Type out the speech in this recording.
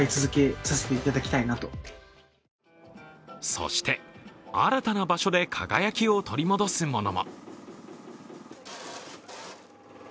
そして、新たな場所で輝きを取り戻すものも。